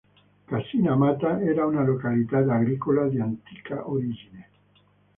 Cassina Amata era una località agricola di antica origine.